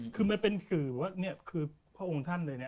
คือมันเป็นคือว่าพระองค์ท่านเลย